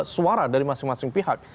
suara dari masing masing pihak